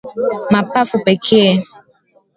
mapafu pekee